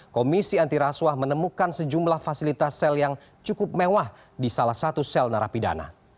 komisi anti rasuah menemukan sejumlah fasilitas sel yang cukup mewah di salah satu sel narapidana